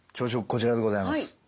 こちらでございます。